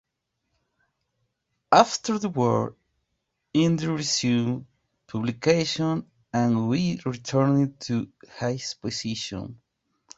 After the war ended resumed publication and Kwee returned to his position.